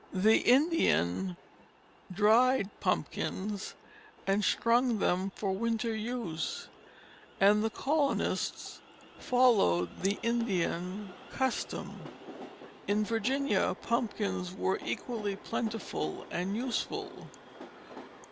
The Indians dried pumpkins and strung them for winter use, and the colonists followed the Indian custom. In Virginia pumpkins were equally plentiful and useful.